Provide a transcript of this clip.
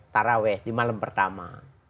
taraweh di malam pertama